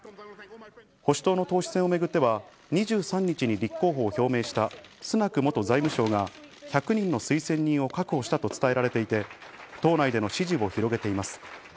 保守党の党首選をめぐっては２３日に立候補を表明したスナク元財務相が１００人の推薦人を確保したと伝えられていて、党内での支持を広げています。